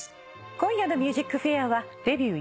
今夜の『ＭＵＳＩＣＦＡＩＲ』はデビュー。